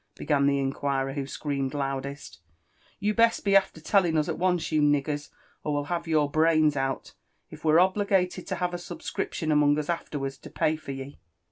began the inquirer who screamed loudest. "You'd best be after telling us at once, you niggers, or we'll have your brains out, if we're obligated to have a subscription am6ng us afterwards to pay for ye."